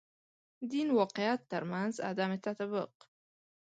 دین واقعیت تر منځ عدم تطابق.